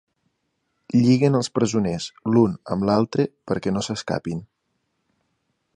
Lliguen els presoners l'un amb l'altre perquè no s'escapin.